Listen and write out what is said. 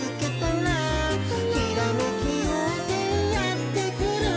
「ひらめきようせいやってくる」